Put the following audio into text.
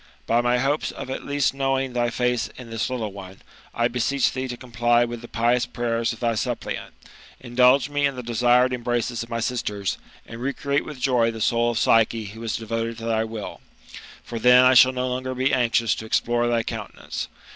By my hopes of at least knowing thy face in this little one, I bMech thee to comply with the pious prayers of thy suppliant, indulge me in the desired embraces of my sisters, and recreate with joy the soul of Psyche who is devoted to thy will ; for then I shall no longer be anxious to explore thy countenance.